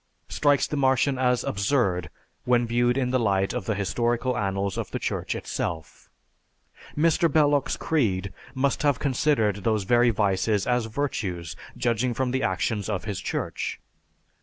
strikes the Martian as absurd when viewed in the light of the historical annals of the Church itself. Mr. Belloc's creed must have considered these very vices as virtues, judging from the actions of his Church.